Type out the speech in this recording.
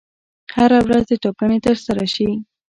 هره ورځ دي ټاکنې ترسره شي.